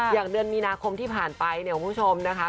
อย่างเดือนมีนาคมที่ผ่านไปของคุณผู้ชมนะคะ